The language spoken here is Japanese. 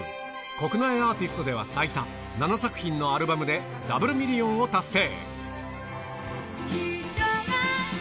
国内アーティストでは最多、７作品のアルバムでダブルミリオンを達成。